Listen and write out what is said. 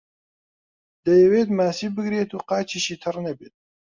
دەیەوێت ماسی بگرێت و قاچیشی تەڕ نەبێت.